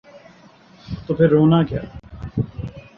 تو پھر رونا کیا؟